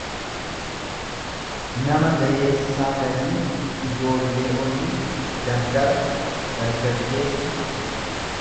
nama gayeessaa gadii ijoollee olii, dardara, dargaggeessa.